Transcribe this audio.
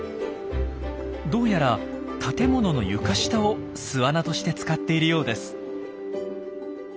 どうやら建物の床下を巣穴として使っているようです。